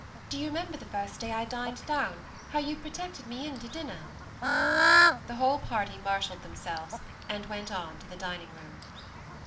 Do you remember the first day I dined down, how you protected me in to dinner ?" The whole party marshalled themselves, and went on to the dining room.